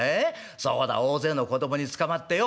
そうだ大勢の子供に捕まってよ